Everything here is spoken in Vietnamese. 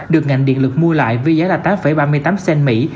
được ngành điện lực mua lại với giá là tám ba mươi tám cent